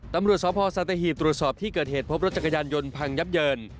ตำรวจสพสัตหีบตรวจสอบที่เกิดเหตุพบรถจักรยานยนต์พังยับเยิน